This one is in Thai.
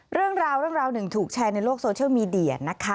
เรื่องราวหนึ่งถูกแชร์ในโลกโซเชียลมีเดียนะคะ